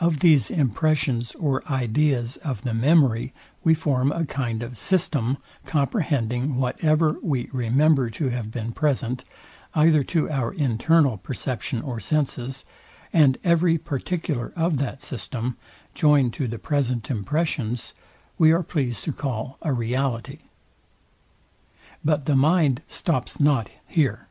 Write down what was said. Of these impressions or ideas of the memory we form a kind of system, comprehending whatever we remember to have been present, either to our internal perception or senses; and every particular of that system, joined to the present impressions, we are pleased to call a reality. But the mind stops not here.